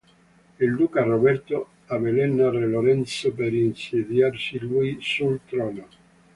Il duca Roberto avvelena re Lorenzo per insediarsi lui sul trono.